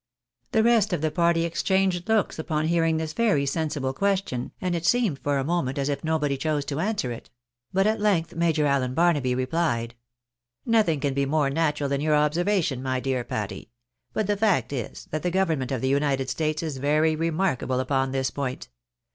The rest of the party exchanged looks upon this very sensible question, and it seemed for a moment as if nobody chose to answer it ; but at length Major Allen Barnaby replied —" Nothing can be more natural than your observation, my dear Patty ,• but the fact is, that the government of the United States is very remarkable upon this point.